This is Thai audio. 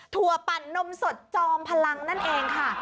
ปั่นนมสดจอมพลังนั่นเองค่ะ